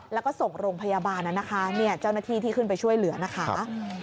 แล้วก็ส่งโรงพยาบาลนะคะเจ้าหน้าที่ที่ขึ้นไปช่วยเหลือนะคะ